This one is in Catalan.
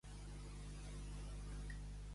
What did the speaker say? Cap de penis.